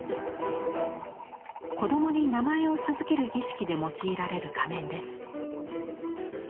子どもに名前を授ける儀式で用いられる仮面です。